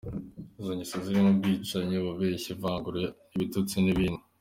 Izo ngeso zirimo ubwicanyi, ububeshyi, ivangura, ibitutsi, n’ibindi.